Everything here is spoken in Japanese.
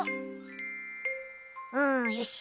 うんよし。